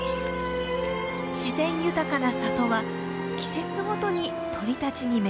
自然豊かな里は季節ごとに鳥たちに恵みをもたらします。